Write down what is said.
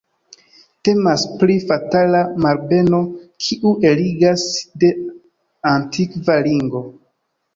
Temas pri fatala malbeno kiu eligas de antikva ringo.